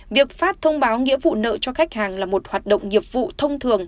việc phát thông báo nghĩa vụ nợ cho khách hàng là một hoạt động nghiệp vụ thông thường